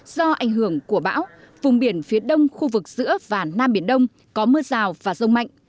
do ảnh hưởng của bão vùng biển phía đông khu vực giữa và nam biển đông có mưa rào và rông mạnh